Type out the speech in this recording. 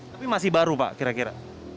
tapi masih baru pak kira kira